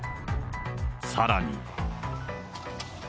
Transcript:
さらに。